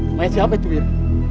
bagaimana siapa itu wiri